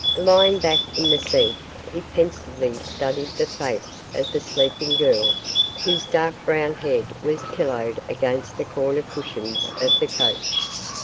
Lying back in the seat, he pensively studied the face of the sleeping girl whose dark brown head was pillowed against the corner cushions of the coach.